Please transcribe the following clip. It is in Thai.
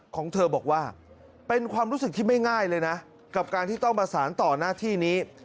ของเธอบอกว่าเป็นความรู้สึกที่ไม่ง่ายเลยนะกับการที่ต้องมาสารต่อหน้าที่นี้